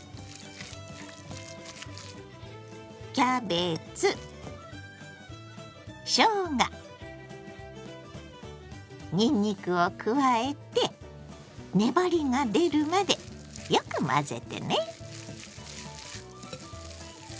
キャベツしょうがにんにくを加えて粘りが出るまでよく混ぜてね。